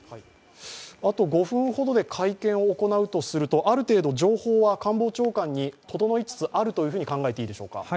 あと５分ほどで会見を行うとするとある程度情報は、官房長官に整いつつあると考えていいでしょうか。